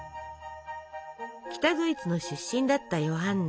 北ドイツの出身だったヨハンナ。